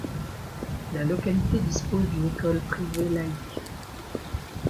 La localité dispose d'une école privée laïque.